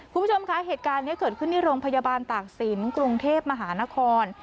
คุณผู้ชมคะเหตุการณ์นี้เกิดขึ้นที่โรงพยาบาลตากศิลป์กรุงเทพมหานคร